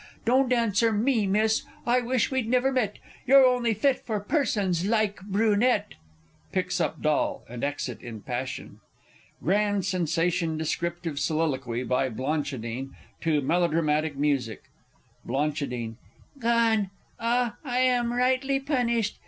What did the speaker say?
Don't answer me, Miss I wish we'd never met. You're only fit for persons like Brunette! [Picks up doll, and exit in passion. Grand Sensation Descriptive Soliloquy, by BLANCHIDINE, to Melodramatic Music. Bl. Gone! Ah, I am rightly punished!